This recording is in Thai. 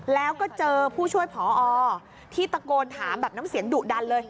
แล้วก็เจอผู้ช่วยผอที่ตะโกนถามแบบน้ำเสียงดุดันเลย